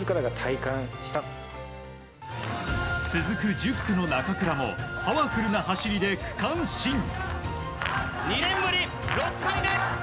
続く１０区の中倉もパワフルな走りで区間新。